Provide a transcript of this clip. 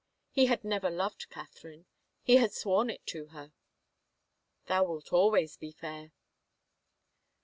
He had never love* Catherine! He had sworn it to her. "Thou wilt always be fair."